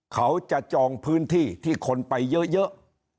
เขาจะจองพื้นที่ที่คนไปเยอะ